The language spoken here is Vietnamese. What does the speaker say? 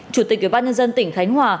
chủ tịch ủy ban nhân dân tỉnh khánh hòa